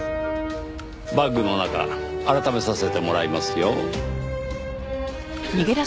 バッグの中改めさせてもらいますよ。